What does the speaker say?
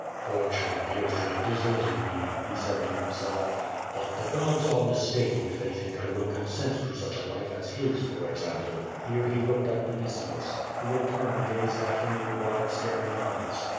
"Fortune appears to have deserted me," he said to himself. "But the gods are mistaken if they think I will consent to such a life as his, for example." Here he looked at Vinitius, who in turn gazed at him with wide staring eyes.